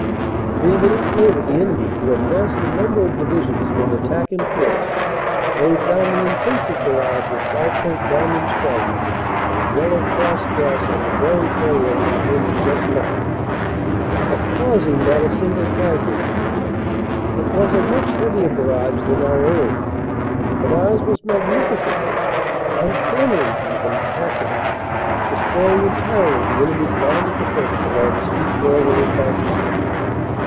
Three minutes later the enemy, who had massed a number of divisions for an attack in force, laid down an intensive barrage of 5.9 inch guns and Yellow Cross gas on the very area our men had just left, but causing not a single casualty. It was a much heavier barrage than our own, but ours was magnificently uncannily even accurate, destroying entirely the enemy s line of defense along the steep railway embankment.